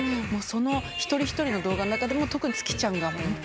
その一人一人の動画の中でも特につきちゃんがホントに。